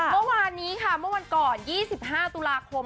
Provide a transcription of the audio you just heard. เมื่อวานนี้ค่ะเมื่อวานก่อนยี่สิบห้าตุลาคม